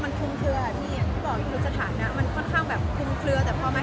ได้นานทีเดาจะเช็คว่าใครเข้ามาพูดคุยกับกับเราบ้าง